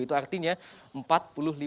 itu artinya empat puluh lima persen